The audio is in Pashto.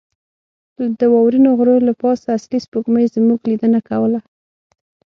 د واورینو غرو له پاسه اصلي سپوږمۍ زموږ لیدنه کوله.